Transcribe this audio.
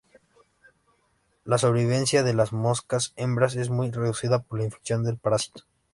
La sobrevivencia de las moscas hembras es muy reducida por la infección del parásito.